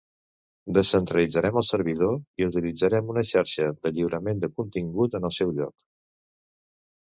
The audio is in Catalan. Descentralitzarem el servidor i utilitzarem una xarxa de lliurament de contingut en el seu lloc.